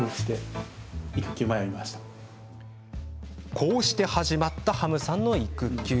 こうして始まったハムさんの育休。